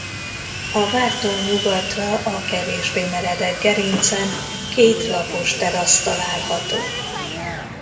A vártól nyugatra a kevésbé meredek gerincen két lapos terasz található.